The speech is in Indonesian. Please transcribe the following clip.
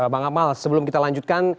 bang amal sebelum kita lanjutkan